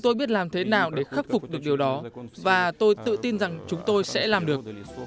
tôi biết làm thế nào để khắc phục được điều đó và tôi tự tin rằng chúng tôi sẽ làm được